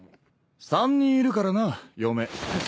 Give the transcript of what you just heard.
３人いるからな嫁。